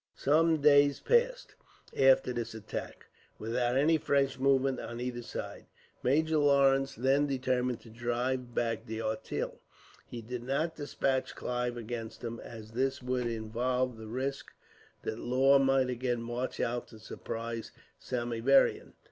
Some days passed, after this attack, without any fresh movement on either side. Major Lawrence then determined to drive back D'Auteuil. He did not despatch Clive against him, as this would involve the risk that Law might again march out to surprise Samieaveram.